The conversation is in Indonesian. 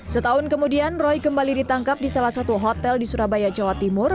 setahun kemudian roy kembali ditangkap di salah satu hotel di surabaya jawa timur